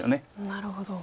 なるほど。